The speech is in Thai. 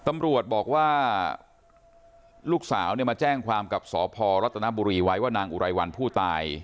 ตำรวจบอกว่าลูกสาวเนี่ยมาแจ้งความกับสพรัฐนบุรีไว้ว่านางอุไรวันผู้ตาย